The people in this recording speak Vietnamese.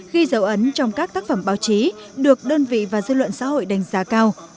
ghi dấu ấn trong các tác phẩm báo chí được đơn vị và dư luận xã hội đánh giá cao